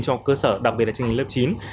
cho cơ sở đặc biệt là chương trình lớp chín